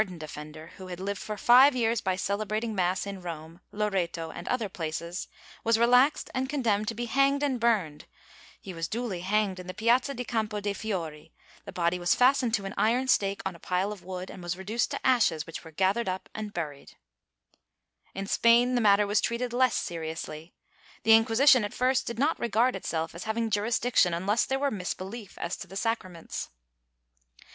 XVI] PERSONATION OF PRIESTHOOD 34I a hardened offender, who had lived for five years by celebrating mass in Rome, Loreto and other places, was relaxed and con demned to be hanged and burned; he was duly hanged in the Piazza di Campo de'Fiori, the body was fastened to an iron stake on a pile of wood and was reduced to ashes, w'hich were gathered up and buried/ In Spain the matter was treated less seriously. The Inquisition at first did not regard itself as having jurisdiction unless there were misbelief as to the sacraments.